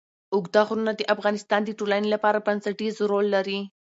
اوږده غرونه د افغانستان د ټولنې لپاره بنسټيز رول لري.